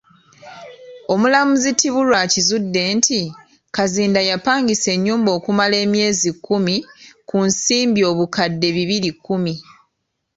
Omulamuzi Tibulya akizudde nti, Kazinda yapangisa ennyumba okumala emyezi kumi ku nsimbi obukadde bibiri kumi.